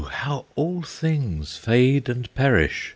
how all things fade and perish!